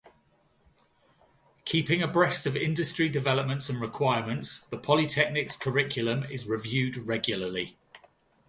Keeping abreast of industry developments and requirements, the polytechnic's curriculum is reviewed regularly.